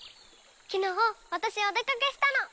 きのうわたしお出かけしたの。